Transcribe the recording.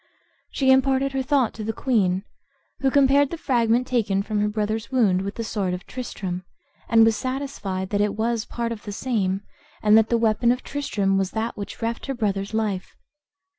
She imparted her thought to the queen, who compared the fragment taken from her brother's wound with the sword of Tristram, and was satisfied that it was part of the same, and that the weapon of Tristram was that which reft her brother's life.